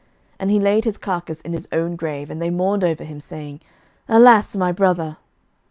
11:013:030 And he laid his carcase in his own grave; and they mourned over him, saying, Alas, my brother!